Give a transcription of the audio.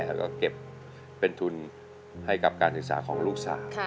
แล้วก็เก็บเป็นทุนให้กับการศึกษาของลูกสาว